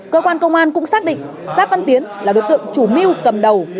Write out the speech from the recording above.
cơ quan công an cũng xác định giáp văn tiến là đối tượng chủ mưu cầm đầu